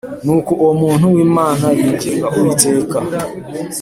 Nuko uwo muntu w’Imana yinginga Uwiteka